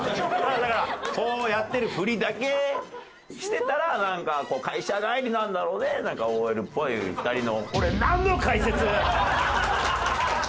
だからこうやってるふりだけしてたら会社帰りなんだろうねなんかＯＬっぽい２人の。